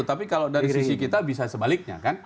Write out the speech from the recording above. tapi kalau dari sisi kita bisa sebaliknya kan